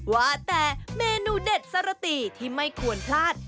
ว่าแต่เมนูเด็ดสระตีที่ไม่ควรพลาด